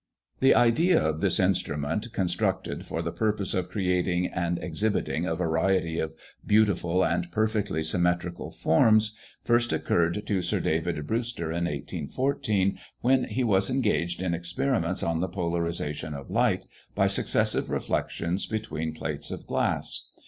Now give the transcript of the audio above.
The idea of this instrument, constructed for the purpose of creating and exhibiting a variety of beautiful and perfectly symmetrical forms, first occurred to Sir David Brewster in 1814, when he was engaged in experiments on the polarization of light, by successive reflections between plates of glass.